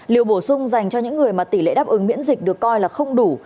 liều bổ sung dành cho những người mà tỷ lệ đáp ứng miễn dịch được coi là không đủ